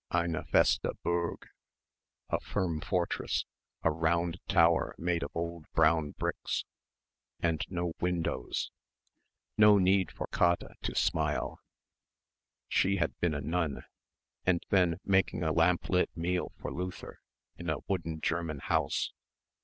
Eine feste Burg; a firm fortress ... a round tower made of old brown bricks and no windows.... No need for Käthe to smile.... She had been a nun ... and then making a lamplit meal for Luther in a wooden German house